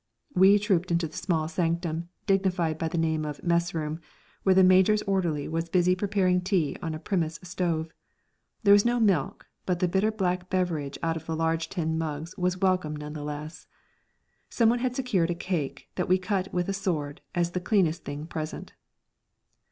We trooped into the small sanctum dignified by the name of "mess room," where the Major's orderly was busy preparing tea on a Primus stove. There was no milk, but the bitter black beverage out of the large tin mugs was welcome none the less. Someone had secured a cake that we cut with a sword as the cleanest thing present.